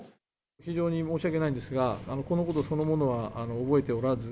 非常に申し訳ないんですが、このことそのものは覚えておらず。